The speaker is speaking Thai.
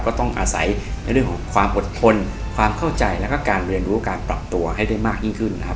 ก็ต้องอาศัยในเรื่องของความอดทนความเข้าใจแล้วก็การเรียนรู้การปรับตัวให้ได้มากยิ่งขึ้นนะครับ